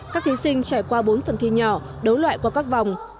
các thí sinh trải qua bốn phần thi nhỏ đấu loại qua các vòng